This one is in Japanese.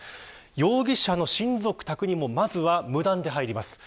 容疑者の親族宅にもまずは、無断で入ります。